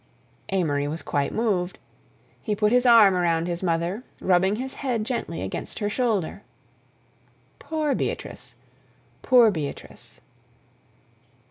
Amory was quite moved. He put his arm around his mother, rubbing his head gently against her shoulder. "Poor Beatrice—poor Beatrice."